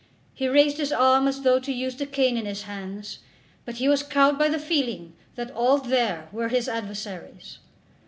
He raised his arm as though to use the cane in his hands, but he was cowed by the feeling that all there were his adversaries.